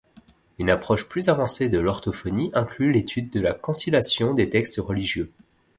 Une approche plus avancée de l'orthophonie inclut l'étude de la cantillation des textes religieux.